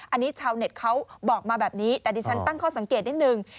อันนี้ชาวเน็ตเขาบอกมาแบบนี้แต่ดิฉันตั้งข้อสังเกตนิดนึง